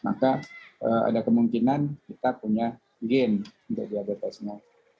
maka ada kemungkinan kita punya gain untuk diabetesnya